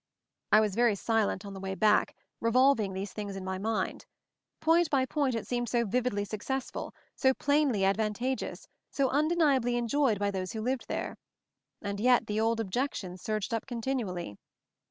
I was very silent on the way back, re volving these things in my mind. Point by point it seemed so vividly successful, so plainly advantageous, so undeniably en joyed by those who lived there; and yet the old objections surged up continually.